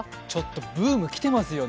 ブーム来ていますよね。